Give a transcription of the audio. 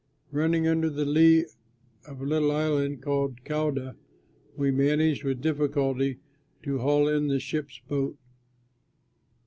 Running under the lee of a little island called Cauda, we managed with difficulty to haul in the ship's boat.